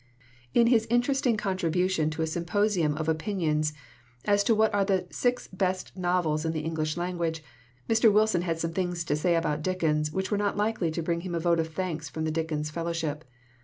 In his interesting contribution to a symposium of opinions as to what are the six best novels in the English language, Mr. Wilson had some things to say about Dickens which were not likely to bring him a vote of thanks from the Dickens Fellowship.